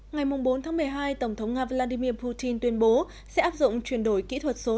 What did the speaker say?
ngày bốn tháng một mươi hai tổng thống nga vladimir putin tuyên bố sẽ áp dụng chuyển đổi kỹ thuật số